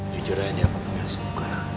jujur aja aku gak suka